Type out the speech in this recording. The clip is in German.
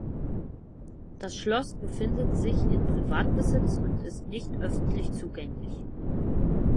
Das Schloss befindet sich in Privatbesitz und ist nicht öffentlich zugänglich.